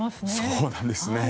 そうなんですね。